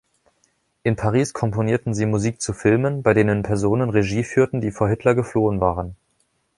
In Paris komponierten sie Musik zu Filmen, bei denen Personen Regie führten, die vor Hitler geflohen waren.